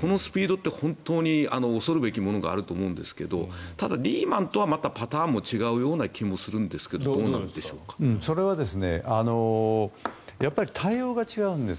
このスピードって本当に恐るべきものがあると思うんですけどただ、リーマンとはまたパターンも違うような気がするんですがそれは対応が違うんです。